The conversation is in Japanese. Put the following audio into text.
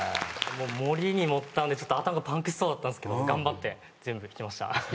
盛りに盛ったんでちょっと頭がパンクしそうだったんすけど頑張って全部弾きました。